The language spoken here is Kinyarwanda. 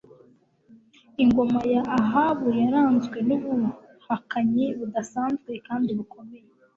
ingoma ya Ahabu yaranzwe nubuhakanyi budasanzwe kandi bukomeye